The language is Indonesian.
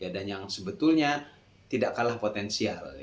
dan yang sebetulnya tidak kalah potensial